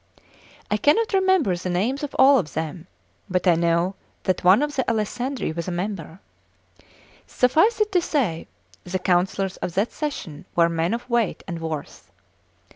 I cannot remember the names of all of them, but I know that one of the Alessandri was a member. Suffice it to say, the counsellors of that session were men of weight and worth.